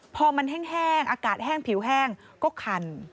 พอมันแห้งอากาศแห้งผิวแห้งก็คัน